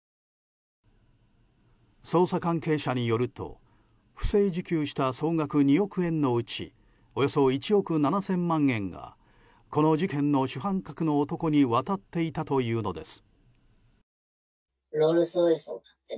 捜査関係者によると不正受給した総額２億円のうちおよそ１億７０００万円がこの事件の主犯格の男に渡っていたというのです。